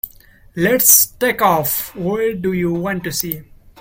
Let's take off. Where do you want to see?